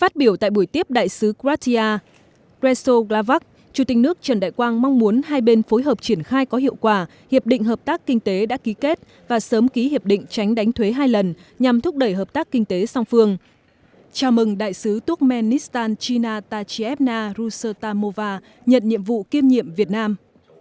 tiếp đại sứ gratia chủ tịch nước trần đại quang hoan nghênh chính phủ cộng hòa sip ủng hộ lao động việt nam sang làm việc tại nước này